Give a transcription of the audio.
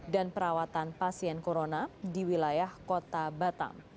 dan perawatan pasien corona di wilayah kota batam